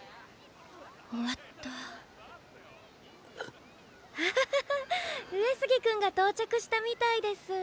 終わったハハハハ上杉君が到着したみたいです